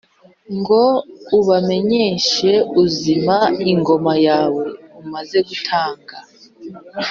ngo ubamenyeshe ūzima ingoma yawe, umaze gutanga.